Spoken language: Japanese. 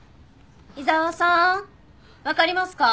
伊沢さーんわかりますか？